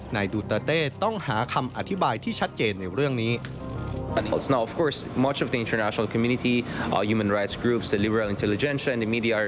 ดูเตอร์เต้ต้องหาคำอธิบายที่ชัดเจนในเรื่องนี้